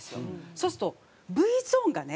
そうするとＶゾーンがね